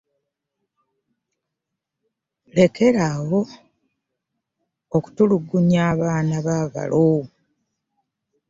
Lekera awo okutulugunya abaana ba balo.